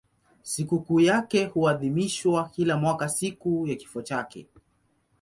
Sikukuu yake huadhimishwa kila mwaka siku ya kifo chake.